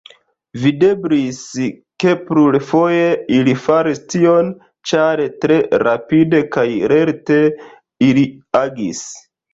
Videblis, ke plurfoje ili faris tion, ĉar tre rapide kaj lerte ili agis.